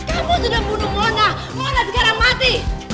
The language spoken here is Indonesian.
kamu sudah bunuh mona mona sekarang mati